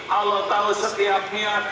allah tahu setiap niat